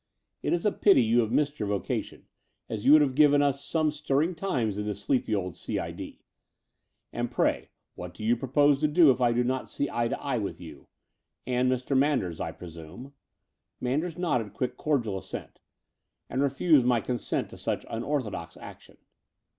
It is a pity you have missed your vocation, as you would have given us some stirring times in the sleepy old C.I.D. And pray what do you propose to do if I do not see eye to eye with you — alnd Mr. Manders, I pre sume? — Manders nodded quick cordial assent — "and refuse my consent to such unorthodox action?"